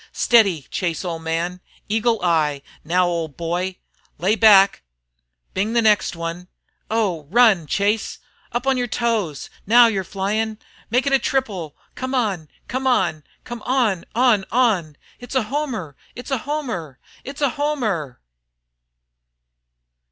"Steady Chase, ole man eagle eye, now ole boy lay back an' bing the next one Oh h! Run, Chase! Up On yer toes! Now yer flyin' make it a triple! Come on! Come on! Come on on on! it's a homer! It's a homey! it's a homer!"